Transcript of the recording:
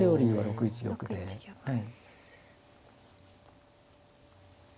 はい。